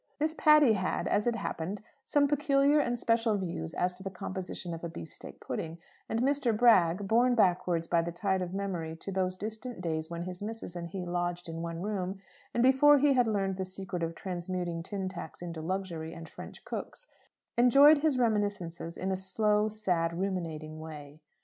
Miss Patty had, as it happened, some peculiar and special views as to the composition of a beef steak pudding; and Mr. Bragg borne backwards by the tide of memory to those distant days when his missis and he lodged in one room, and before he had learned the secret of transmuting tin tacks into luxury and French cooks enjoyed his reminiscences in a slow, sad, ruminating way.